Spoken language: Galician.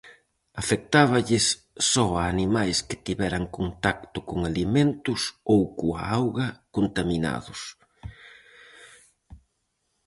Afectáballes só a animais que tiveran contacto con alimentos ou coa auga contaminados.